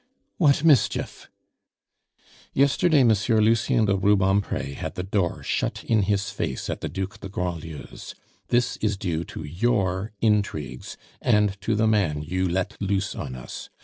"What mischief?" "Yesterday Monsieur Lucien de Rubempre had the door shut in his face at the Duc de Grandlieu's. This is due to your intrigues, and to the man you let loose on us.